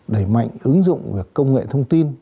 đẩy mạnh ứng dụng công nghệ thông tin